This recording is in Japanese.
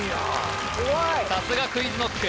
さすがＱｕｉｚｋｎｏｃｋ